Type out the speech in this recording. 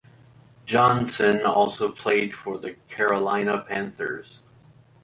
Johnson also played for the Carolina Panthers.